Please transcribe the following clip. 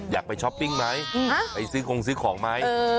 อยากไปช้อปปิ้งไหมไปซื้อคงซื้อของไหม